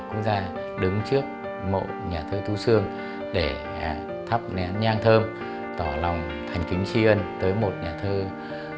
cũng ra đứng trước mộ nhà thơ tú sương để thắp nhang thơm tỏ lòng thành kính tri ân tới một nhà thơ rất lớn